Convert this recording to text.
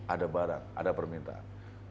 ada barang ada permintaan